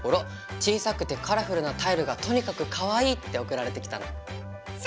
小さくてカラフルなタイルがとにかくかわいいって送られてきたんだ。